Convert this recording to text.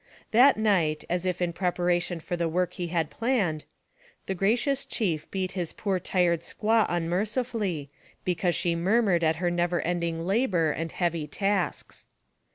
That night, as if in preparation for the work he had planned, the gracious chief beat his poor tired squaw unmercifully, because she murmured at her never ending labor and heavy tasks.